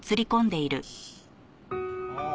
ああ。